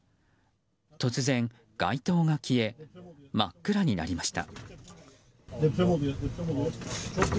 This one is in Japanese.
突然、街灯が消え真っ暗になりました。